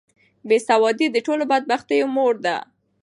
بې سوادي د ټولو بدبختیو مور ده.